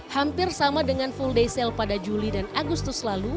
hampir sama dengan full day sale pada juli dan agustus lalu